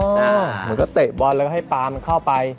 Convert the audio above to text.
เหมือนก็เตะบอลแล้วก็ให้ปลามันเข้าไป